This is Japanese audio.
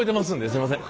すいません。